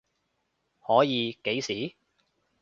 可以，幾時？